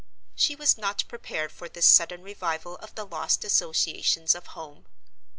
She was not prepared for this sudden revival of the lost associations of home.